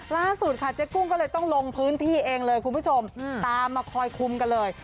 ล่าสุดค่ะเจ๊กุ้งก็เลยต้องลงพื้นที่เองเลยคุณผู้ชมตามมาคอยคุมกันเลย